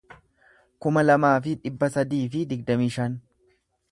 kuma lamaa fi dhibba sadii fi digdamii shan